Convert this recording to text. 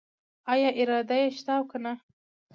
آیا اراده یې شته او کنه؟